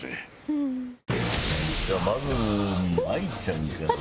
まず舞衣ちゃんから。